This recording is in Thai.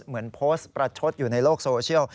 เหมือนโพสต์ประชดอยู่ในโลกโซเชียล